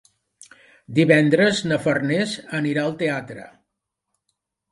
Divendres na Farners anirà al teatre.